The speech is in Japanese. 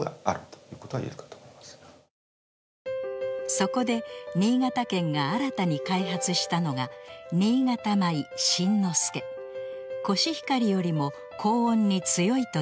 そこで新潟県が新たに開発したのがコシヒカリよりも高温に強いといいます。